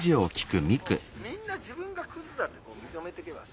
「みんな自分がクズだって認めていけばさ